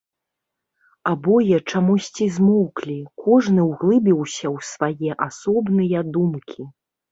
Абое чамусьці змоўклі, кожны ўглыбіўся ў свае асобныя думкі.